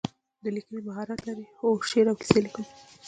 د لیکنې مهارت لرئ؟ هو، شعر او کیسې لیکم